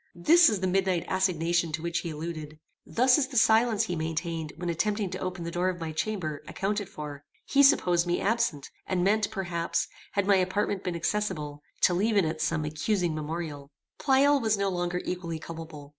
This is the midnight assignation to which he alluded. Thus is the silence he maintained when attempting to open the door of my chamber, accounted for. He supposed me absent, and meant, perhaps, had my apartment been accessible, to leave in it some accusing memorial. Pleyel was no longer equally culpable.